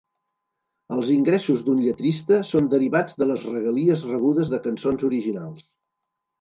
Els ingressos d'un lletrista són derivats de les regalies rebudes de cançons originals.